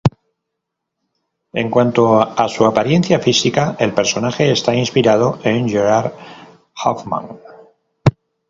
En cuanto a su apariencia física, el personaje está inspirado en Gerhart Hauptmann.